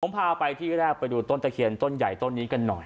ผมพาไปที่แรกไปดูต้นตะเคียนต้นใหญ่ต้นนี้กันหน่อย